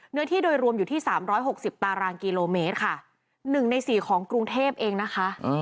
เนื้อที่โดยรวมอยู่ที่๓๖๐ตารางกิโลเมตรค่ะ๑ใน๔ของกรุงเทพเองนะคะ